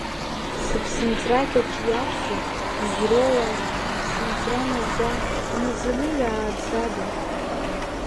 Сыԥсынҵра кьаҿ иацу, изроуа, ԥсынҵра наӡа, инаӡаны иааӡада?!